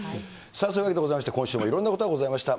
さあ、そういうわけでございまして、今週もいろんなことがございました。